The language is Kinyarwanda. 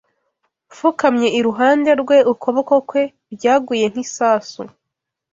mpfukamye iruhande rwe, Ukuboko kwe: - byaguye nk'isasu